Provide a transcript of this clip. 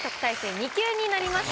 ２級になりました。